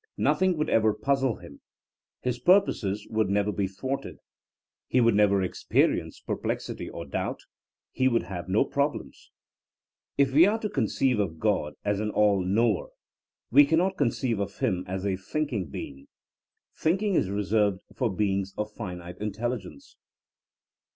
Noth ing would ever puzzle him, his purposes would never be thwarted, he would never experience perplexity or doubt, he would have no problems. If we are to conceive of God as an AU Knower, we cannot conceive of Him as a Thinking Be sPillsbury, Esaentiiils of Psychology. THINKINO A8 A SCIENCE 15 ing. Thinking is reserved for beings of finite intelligence.